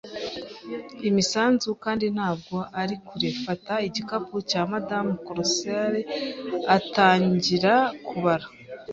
imisanzu, kandi ntabwo ari kure. Fata igikapu cya Madamu Crossley. ” Atangira kubara